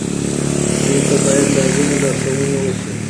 دوی ته باید لازمې لارښوونې وشي.